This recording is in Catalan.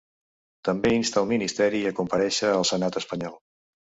També insta el ministeri a comparèixer al senat espanyol.